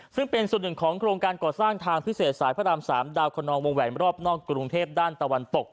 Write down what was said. ซึ่งเป็นส่วนหนึ่งของโครงการก่อสร้างทางพิเศษสายพระราม๓ดาวคนนองวงแหวนรอบนอกกรุงเทพด้านตะวันตก